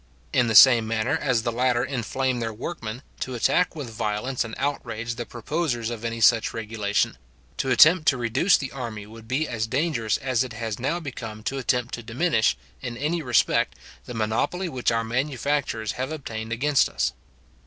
In the same manner as the latter inflame their workmen, to attack with violence and outrage the proposers of any such regulation; to attempt to reduce the army would be as dangerous as it has now become to attempt to diminish, in any respect, the monopoly which our manufacturers have obtained against us.